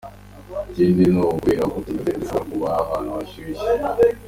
Ikindi n'ukubera uko tumeze, ntidushobora kuba ahantu hashushe.